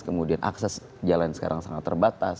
kemudian akses jalan sekarang sangat terbatas